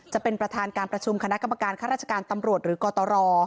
จะเป็นประธานการประชุมคณะกรรมการข้าราชการตำรวจหรือกตร